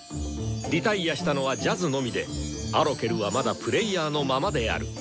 脱落したのは「ジャズのみ」でアロケルはまだプレイヤーのままである。